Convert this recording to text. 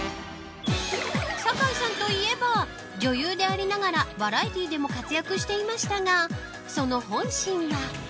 坂井さんといえば女優でありながらバラエティーでも活躍していましたがその本心は。